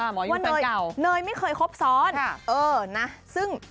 หมอยูเป็นเก่าว่าเนยเนยไม่เคยครบซ้อนเออนะซึ่ง